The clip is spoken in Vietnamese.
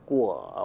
của thái lan